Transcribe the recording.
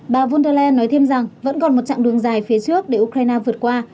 bà von der leyen nói thêm rằng vẫn còn một chặng đường dài phía trước để ukraine vượt qua